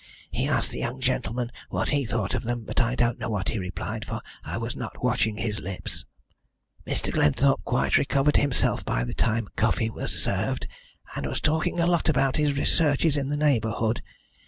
He asked the young gentleman what he thought of them, but I don't know what he replied, for I was not watching his lips. "Mr. Glenthorpe quite recovered himself by the time coffee was served, and was talking a lot about his researches in the neighbourhood.